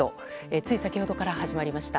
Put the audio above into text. つい先ほどから始まりました。